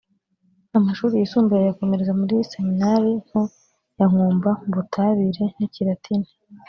amashuri yisumbuye ayakomereza muri Seminari nto ya Nkumba mu Butabire n’Ikilatini